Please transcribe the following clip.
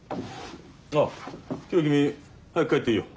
ああ今日君早く帰っていいよ。